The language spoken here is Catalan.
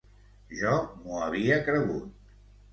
Jo m'ho havia cregut.